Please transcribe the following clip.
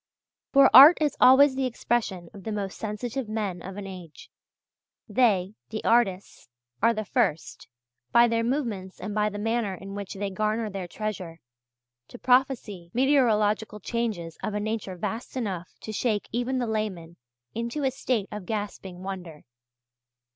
For art is always the expression of the most sensitive men of an age. They, the artists, are the first, by their movements and by the manner in which they garner their treasure, to prophesy meteorological changes of a nature vast enough to shake even the layman into a state of gasping wonder.